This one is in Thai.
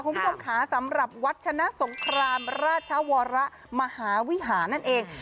คุณผู้ชมค่ะสำหรับวัดชนะสงครามราชวรมหาวิหารนั่นเอง